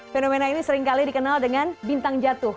fenomena ini seringkali dikenal dengan bintang jatuh